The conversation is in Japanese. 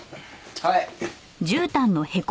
はい。